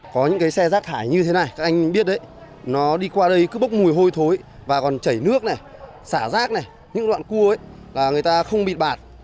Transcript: có những cái xe rác thải như thế này các anh biết đấy nó đi qua đây cứ bốc mùi hôi thối và còn chảy nước này xả rác này những đoạn cua ấy là người ta không bịt bạt